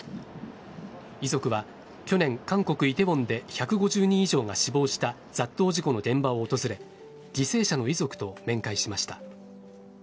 遺族は去年韓国・梨泰院で１５０人以上が死亡した雑踏事故の現場を訪れ犠牲者の遺族と面会しました。